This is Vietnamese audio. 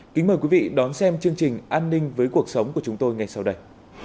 kính mời quý vị đón xem chương trình an ninh với cuộc sống của chúng tôi ngay sau đây